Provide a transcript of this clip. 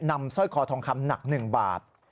สร้อยคอทองคำหนัก๑บาท